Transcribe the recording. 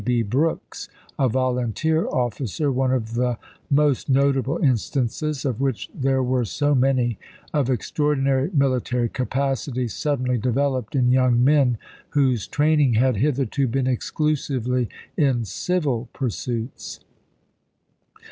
B. Brooks, a volunteer officer, one of the most notable instances, of which there were so many, of extraordinary military capacity suddenly developed in young men whose training had hitherto been exclusively in civil pursuits.